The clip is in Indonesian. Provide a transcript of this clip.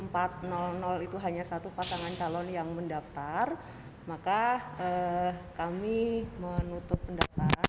pada jam dua puluh empat itu hanya satu pasangan calon yang mendaftar maka kami menutup pendaftaran